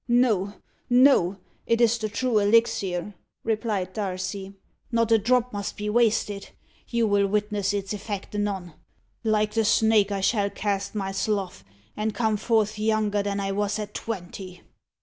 "No no; it is the true elixir," replied Darcy. "Not a drop must be wasted. You will witness its effect anon. Like the snake, I shall cast my slough, and come forth younger than I was at twenty."